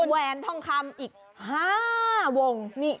แหวนทองคำอีก๕วง